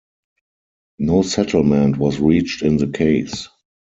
No settlement was reached in the case.